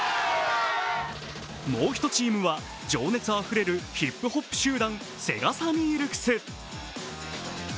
もう１チームは情熱あふれる集団、セガサミールクス。